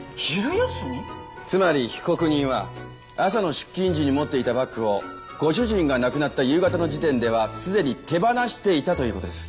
つまり被告人は朝の出勤時に持っていたバッグをご主人が亡くなった夕方の時点ではすでに手放していたという事です。